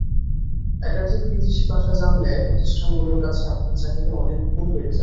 একাধিক বিদেশি ভাষা জানলে প্রতিষ্ঠানগুলোর কাছে আপনার চাহিদা অনেক গুণ বেড়ে যাবে।